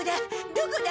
どこだ？